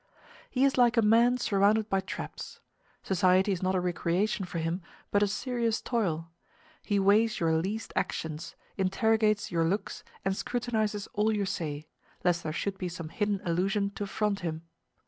He is like a man surrounded by traps: society is not a recreation for him, but a serious toil: he weighs your least actions, interrogates your looks, and scrutinizes all you say, lest there should be some hidden allusion to affront him.